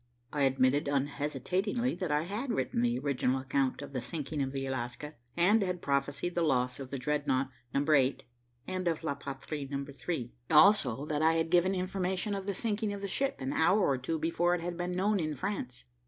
I admitted unhesitatingly that I had written the original account of the sinking of the Alaska and had prophesied the loss of the Dreadnought Number 8 and of La Patrie Number 3, also that I had given information of the sinking of the ship an hour or two before it had been known in France.